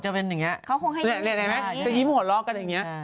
จะยิ้มหัวรอกกันอย่างงี้